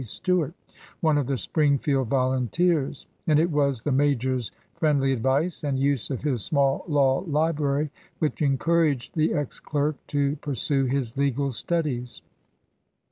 Stuart, one of the Springfield volunteers, and it was the major's friendly advice and use of his small law library which encouraged the ex clerk to pur sue his legal studies.